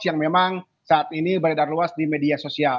yang memang saat ini beredar luas di media sosial